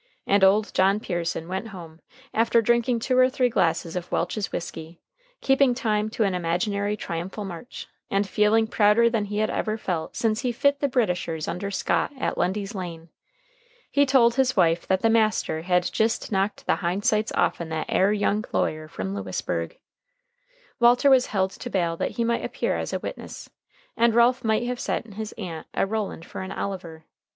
And old John Pearson went home, after drinking two or three glasses of Welch's whisky, keeping time to an imaginary triumphal march, and feeling prouder than he had ever felt since he fit the Britishers under Scott at Lundy's Lane. He told his wife that the master had jist knocked the hind sights offen that air young lawyer from Lewisburg. Walter was held to bail that he might appear as a witness, and Ralph might have sent his aunt a Roland for an Oliver.